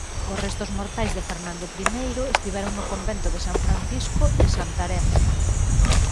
Os restos mortais de Fernando I estiveron no Convento de San Francisco de Santarém.